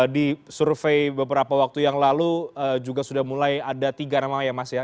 di survei beberapa waktu yang lalu juga sudah mulai ada tiga nama ya mas ya